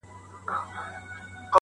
انساني حقونه تر پښو للاندي کيږي